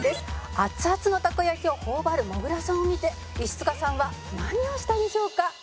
「熱々のたこ焼を頬張るもぐらさんを見て石塚さんは何をしたでしょうか？」